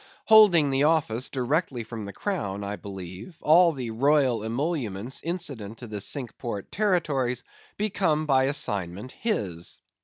Holding the office directly from the crown, I believe, all the royal emoluments incident to the Cinque Port territories become by assignment his.